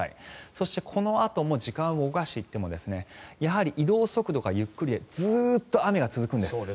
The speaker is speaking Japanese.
そしてこのあとも時間を動かしていってもやはり移動速度がゆっくりでずっと雨が続くんです。